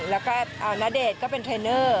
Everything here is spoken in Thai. แล้วก็ณเดชน์ก็เป็นเทรนเนอร์